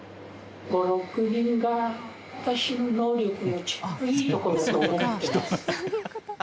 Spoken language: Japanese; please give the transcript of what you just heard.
５６人が私の能力のちょうどいいところだと思ってます。